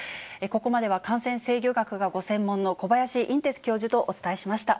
ここまでは感染制御学がご専門の小林寅てつ教授とお伝えしました。